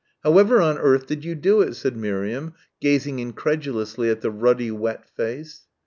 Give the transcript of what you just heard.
"However on earth did you do it?" said Miriam, gazing incredulously at the ruddy wet face.